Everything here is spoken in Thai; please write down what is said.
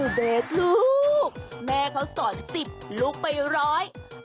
ลุงเบสลูกแม่เขาสอน๑๐ลุกไปรอง